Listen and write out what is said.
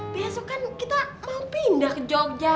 besok kan kita mau pindah ke jogja